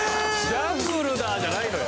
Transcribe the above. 「ジャングルだぁ」じゃないのよ。